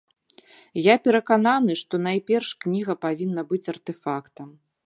Я перакананы, што найперш кніга павінна быць артэфактам.